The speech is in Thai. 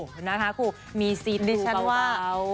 มีซีทูเบานะครับครูมีซีทูเบานะครับครูมีซีทูเบา